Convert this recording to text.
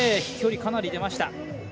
飛距離かなり出ました。